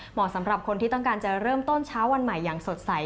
เหมาะสำหรับคนที่ต้องการจะเริ่มต้นเช้าวันใหม่อย่างสดใส